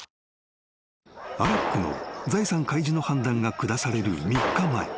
［アレックの財産開示の判断が下される３日前］